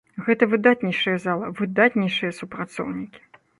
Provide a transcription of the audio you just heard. Гэта выдатнейшая зала, выдатнейшыя супрацоўнікі.